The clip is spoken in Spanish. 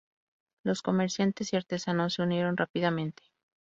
Los comerciantes y artesanos se unieron rápidamente.